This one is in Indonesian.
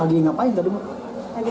lagi ngapain tadi bu